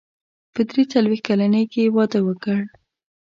په درې څلوېښت کلنۍ کې يې واده وکړ.